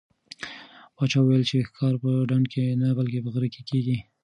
پاچا وویل چې ښکار په ډنډ کې نه بلکې په غره کې کېږي.